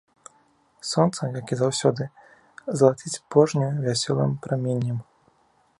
Сонца, як і заўсёды, залаціць пожню вясёлым праменнем.